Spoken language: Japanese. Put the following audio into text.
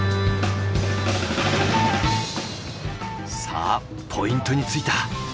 さあポイントに着いた。